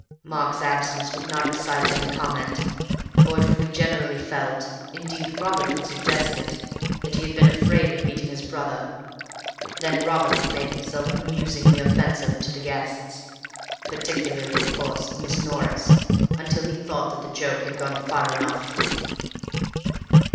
Mark's absence would not excite any comment, for it would be generally felt—indeed Robert would suggest it—that he had been afraid of meeting his brother. Then Robert would make himself amusingly offensive to the guests, particularly, of course, Miss Norris, until he thought that the joke had gone far enough.